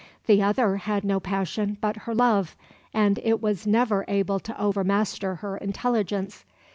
The other had no passion but her love, and it was never able to overmaster her intelligence.